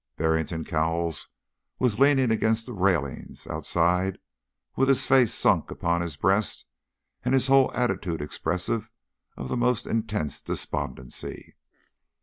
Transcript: Barrington Cowles was leaning against the railings outside with his face sunk upon his breast, and his whole attitude expressive of the most intense despondency.